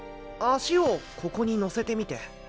足をここに乗せてみて。